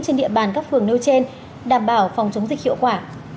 trên địa bàn các phường nêu trên đảm bảo phòng chống dịch hiệu quả